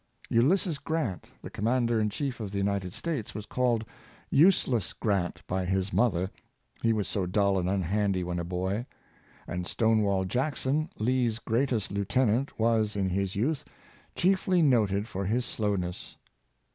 " Ulysses Grant, the Commander in chief of the United States, was called " Useless Grant " by his mother — he was so dull and unhandy when a boy; and Stonewall Jackson, Lee's greatest lieutenant, was, in his youth, chiefly noted for his slowness.